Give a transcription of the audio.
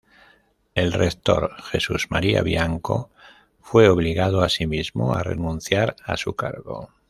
El rector Jesús María Bianco fue obligado, asimismo, a renunciar a su cargo.